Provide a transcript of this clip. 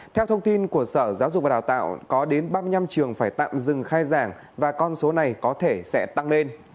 theo thông tin của sở giáo dục và đào tạo có đến ba mươi năm trường phải tạm dừng khai giảng và con số này có thể sẽ tăng lên